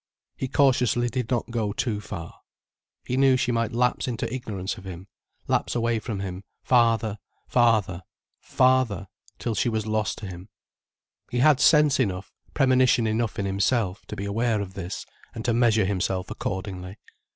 He cautiously did not go too far. He knew she might lapse into ignorance of him, lapse away from him, farther, farther, farther, till she was lost to him. He had sense enough, premonition enough in himself, to be aware of this and to measure himself accordingly.